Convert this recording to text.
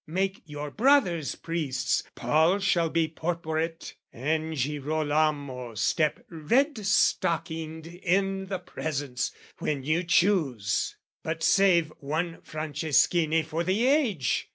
Make your brothers priests, "Paul shall be porporate, and Girolamo step "Red stockinged in the presence when you choose, "But save one Franceschini for the age!